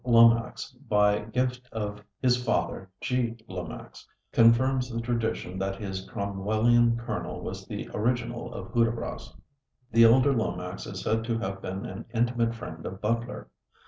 Lomax by gift of his father, G. Lomax," confirms the tradition that this Cromwellian colonel was the original of Hudibras. The elder Lomax is said to have been an intimate friend of Butler.